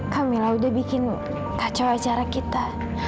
kak mila udah bikin kacau acara kita